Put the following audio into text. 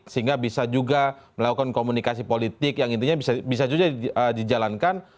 sehingga bisa juga melakukan komunikasi politik yang intinya bisa juga dijalankan